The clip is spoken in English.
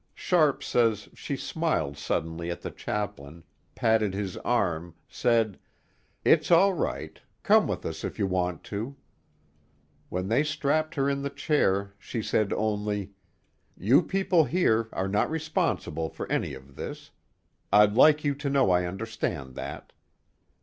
Sharpe says she smiled suddenly at the chaplain, patted his arm, said: "It's all right. Come with us if you want to." When they strapped her in the chair she said only: "You people here are not responsible for any of this. I'd like you to know I understand that."